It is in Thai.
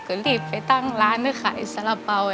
ก็รีบไปตั้งร้านให้ขายสาระเป๋า